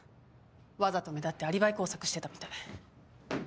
わざと目立ってアリバイ工作してたみたい。